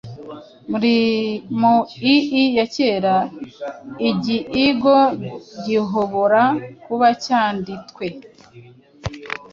Mu ii ya kera, igiigo gihobora kuba cyanditwe